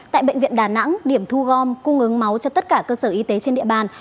tại bệnh viện đà nẵng điểm thu gom cung ứng máu cho tất cả cơ sở y tế trên địa bàn